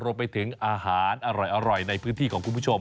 รวมไปถึงอาหารอร่อยในพื้นที่ของคุณผู้ชม